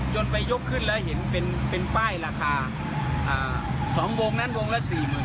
ไปยกขึ้นแล้วเห็นเป็นป้ายราคา๒วงนั้นวงละ๔๐๐๐